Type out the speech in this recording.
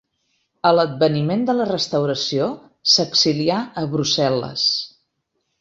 A l'adveniment de la Restauració s'exilià a Brussel·les.